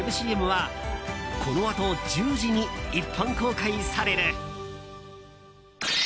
ＣＭはこのあと１０時に一般公開される。